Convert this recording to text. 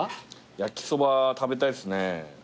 焼きそば食べたいですね。